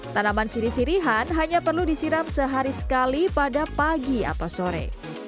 tanaman siri sirihan hanya perlu disiram sehari sekali pada pagi atau sore